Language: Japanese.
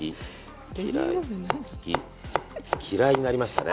嫌いになりましたね。